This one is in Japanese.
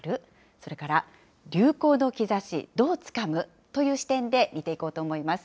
それから流行の兆しどうつかむ？という視点で見ていこうと思います。